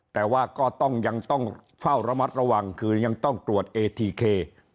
แต่ว่าก็ต้องยังต้องเฝ้าระมัดระวังคือยังต้องตรวจเอทีเค